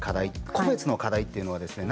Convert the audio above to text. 個別の課題というのはですね